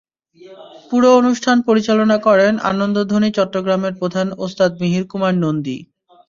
পুরো অনুষ্ঠান পরিচালনা করেন আনন্দধ্বনি চট্টগ্রামের প্রধান ওস্তাদ মিহির কুমার নন্দী।